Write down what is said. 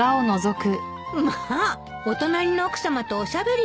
まあお隣の奥さまとおしゃべりしてるのね。